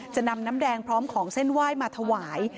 จะนำน้ำแดงพร้อมของเส้นไหว้มาถวาย